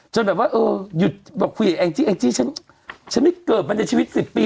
จนแบบว่าเออหยุดบอกคุยกับแองจิแองจิฉันฉันไม่เกิบมันจะชีวิตสิบปี